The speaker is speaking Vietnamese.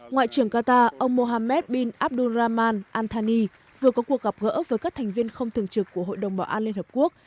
ngoại trưởng qatar ông mohammed bin abduraman antoni vừa có cuộc gặp gỡ với các thành viên không thường trực của hội đồng bảo an liên hợp quốc